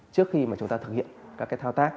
trước khi mà chúng ta thực hiện các cái thao tác